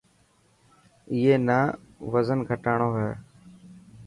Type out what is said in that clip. اي نا وزن گهٽاڻو هي.